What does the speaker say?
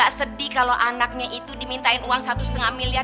yang ga sedih kalo anaknya itu dimintain uang satu lima miliar